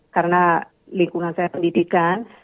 karena lingkungan saya pendidikan